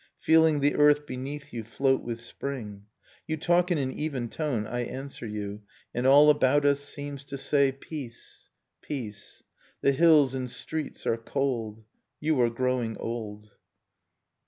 FeeUng the earth beneath you float with spring! ... You talk in an even tone, I answer you; And all about us seems to say Peace ... peace ... the hills and streets are cold. You are growing old.